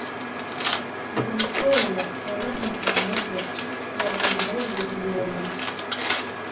"Vomitoria" or entrances and exits were made available to the audience.